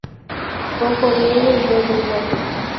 Poco riego y buen drenaje.